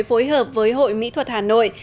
phối hợp với hội mỹ thuật hà nội